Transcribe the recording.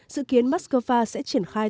dự kiến moskova sẽ triển khai